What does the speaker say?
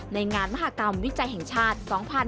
ในงานมหากรรมวิจัยแห่งชาติ๒๕๕๙